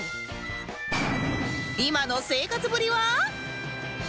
今の生活ぶりは？